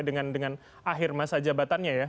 dengan akhir masa jabatannya ya